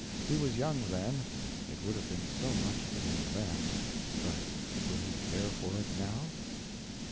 He was young then, it would have been so much to him then; but will he care for it now?